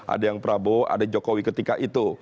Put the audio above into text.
ada yang prabowo ada jokowi ketika itu